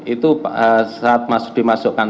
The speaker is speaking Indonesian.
itu saat dimasukkan